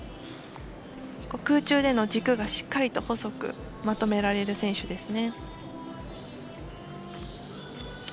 空中での軸がしっかりと細くまとめられる選手ですね。